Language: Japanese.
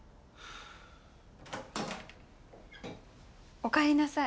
おかえりなさい。